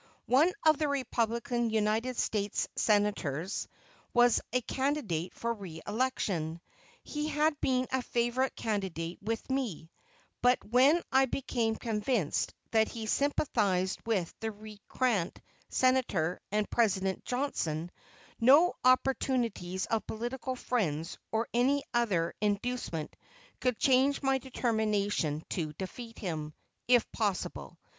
One of the Republican United States Senators had already abandoned the party and affiliated with Johnson. The other Senator was a candidate for re election. He had been a favorite candidate with me, but when I became convinced that he sympathized with the recreant Senator and President Johnson, no importunities of political friends or any other inducement could change my determination to defeat him, if possible.